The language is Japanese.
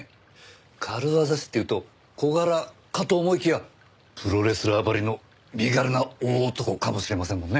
軽業師っていうと小柄かと思いきやプロレスラーばりの身軽な大男かもしれませんもんね。